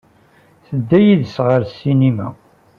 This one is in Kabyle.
Tedda yid-s ɣer ssinima.